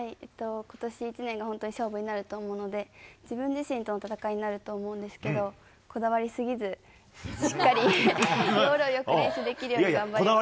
ことし一年が本当に勝負になると思うので、自分自身との戦いになると思うんですけど、こだわり過ぎず、しっかり要領よく練習できるように頑張りたいと思います。